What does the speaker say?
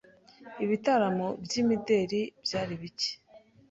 ibitaramo by’imideri byari bicye